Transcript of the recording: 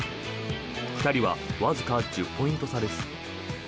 ２人はわずか１０ポイント差です。